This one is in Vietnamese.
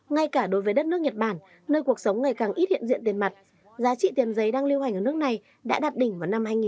ngay cả đối với đất nước nhật bản nơi cuộc sống ngày càng ít hiện diện tiền mặt giá trị tiền giấy đang lưu hành ở nước này đã đạt đỉnh vào năm hai nghìn một mươi